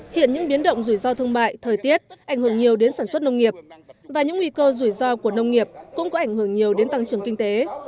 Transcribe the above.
hiện những biến động rủi ro thương mại thời tiết ảnh hưởng nhiều đến sản xuất nông nghiệp và những nguy cơ rủi ro của nông nghiệp cũng có ảnh hưởng nhiều đến tăng trưởng kinh tế